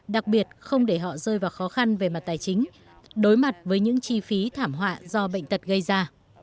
đặc biệt không để họ rơi vào khó khăn về mặt tài chính đối mặt với những chi phí thảm họa do bệnh tật gây ra